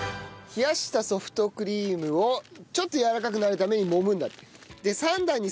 冷やしたソフトクリームをちょっとやわらかくなるためにもむんだって。